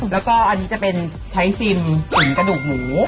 แล้วก็อันนี้จะเป็นไชศิมพ์ตุ๋นกระดูกหมู